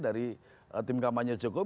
dari tim kampanye joko